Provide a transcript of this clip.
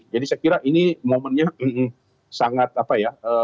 jadi saya kira ini momennya sangat apa ya